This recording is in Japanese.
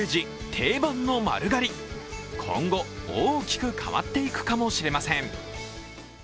定番の丸刈り、今後大きく変わっていくかもしれません。